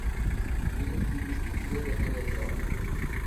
گرفتی گشتی لێ دەکەوێتەوە